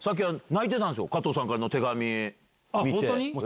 加藤さんからの手紙見て。